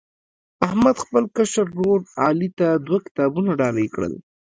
احمد خپل کشر ورر علي ته دوه کتابونه ډالۍ کړل.